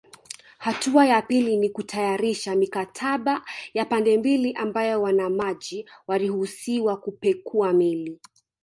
Hatua ya pili ni kutayarisha mikataba ya pande mbili ambayo wanamaji waruhusiwe kupekua meli